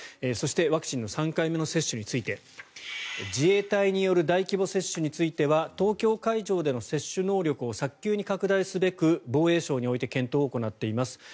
そしてワクチンの３回目の接種について自衛隊による大規模接種については東京会場での接種能力を早急に拡大すべく防衛省において検討を行っています。